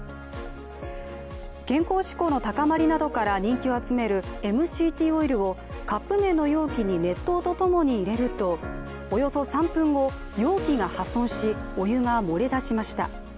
健康志向の高まりなどから人気を集めるＭＣＴオイルをカップ麺の容器に熱湯とともに入れると、およそ３分後、容器が破損し、お湯が漏れ出しました。